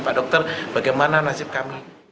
pak dokter bagaimana nasib kami